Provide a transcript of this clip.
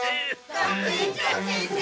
学園長先生！